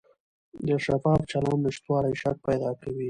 د شفاف چلند نشتوالی شک پیدا کوي